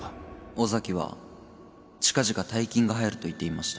尾崎は近々大金が入ると言っていました